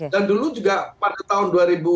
dan dulu juga pada tahun dua ribu sembilan